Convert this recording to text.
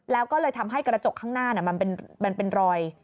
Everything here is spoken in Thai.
แล้วก็เลยทำให้กระจกข้างหน้ามันเป็นรอย